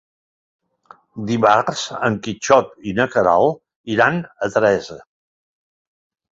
Dimarts en Quixot i na Queralt iran a Teresa.